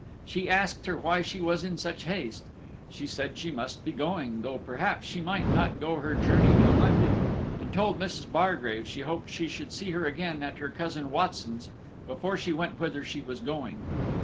She asked her why she was in such haste. She said she must be going, though perhaps she might not go her journey till Monday; and told Mrs. Bargrave she hoped she should see her again at her cousin Watson's before she went whither she was going.